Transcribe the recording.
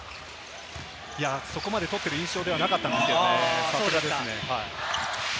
そこまで取っている印象ではなかったんですけれど、さすがですね。